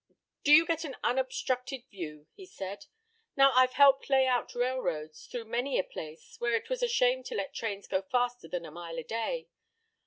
"Do you get an unobstructed view?" he said. "Now, I've helped lay out railroads through many a place, where it was a shame to let trains go faster than a mile a day.